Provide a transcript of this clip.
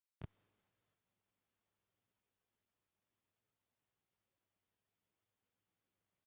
La ciudad está situada justo al noroeste de Ma'alot-Tarshiha.